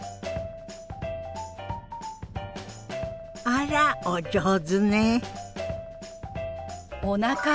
あらお上手ね。